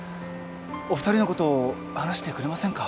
お二人のことを話してくれませんか？